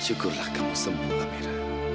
syukurlah kamu sembuh amira